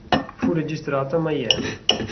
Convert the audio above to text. Fu registrata a Miami.